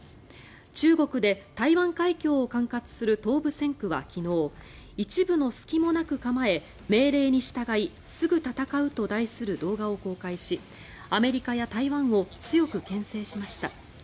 中国で台湾海峡を管轄する東部戦区は昨日「一分の隙もなく構え命令に従いすぐ戦う」と題する動画を公開しアメリカや台湾を強くけん制しました。